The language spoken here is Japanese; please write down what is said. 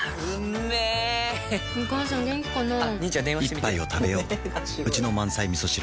一杯をたべよううちの満菜みそ汁